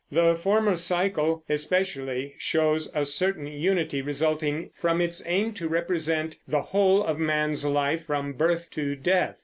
The former cycle especially shows a certain unity resulting from its aim to represent the whole of man's life from birth to death.